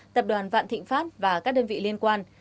tập đoàn vạn thịnh pháp và các đơn vị liên quan